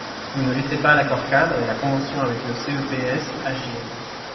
Vous ne laissez pas l’accord-cadre et la convention avec le CEPS agir.